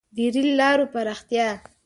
• د رېل لارو پراختیا.